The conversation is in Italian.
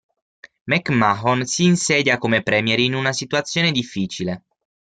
McMahon si insedia come premier in una situazione difficile.